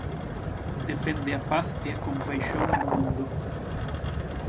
Defende a paz e a compaixón no mundo.